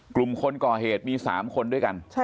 กลุ่มคนก่อเหตุมี๓คนด้วยกัน